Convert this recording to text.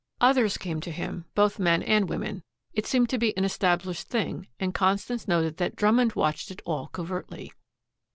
Others came to him, both men and women. It seemed to be an established thing, and Constance noted that Drummond watched it all covertly.